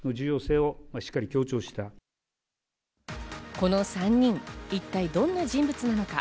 この３人、一体どんな人物なのか？